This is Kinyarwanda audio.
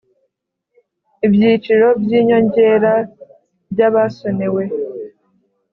ibyiciro by inyongera by abasonewe